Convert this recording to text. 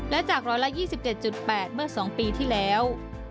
และจาก๑๒๗๘เมื่อ๒ปีที่แล้ว